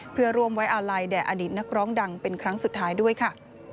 เพื่อร่วมไว้อาลัยแด่อดีตนักร้องดังเป็นครั้งสุดท้ายด้วยค่ะ